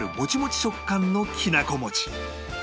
食感のきなこ餅